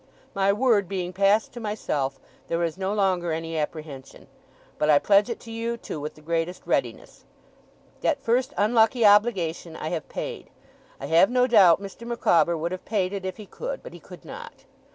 My word being passed to myself, there is no longer any apprehension; but I pledge it to you, too, with the greatest readiness. That first unlucky obligation, I have paid. I have no doubt Mr. Micawber would have paid it if he could, but he could not.